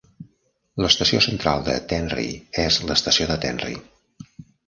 L'estació central de Tenri és l'estació de Tenri.